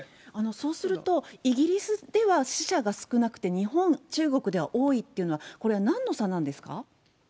そうすると、イギリスでは死者が少なくて日本、中国では多いというのは、これはなんの差なんですか。